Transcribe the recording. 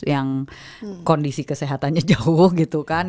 yang kondisi kesehatannya jauh gitu kan